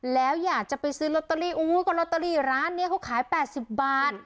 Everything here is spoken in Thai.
แล้วอยากจะไปซื้อโรตเตอรี่โอ้ยก็โรตเตอรี่ร้านเนี้ยเขาขายแปดสิบบาท